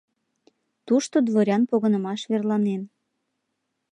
Тушто Дворян погынымаш верланен.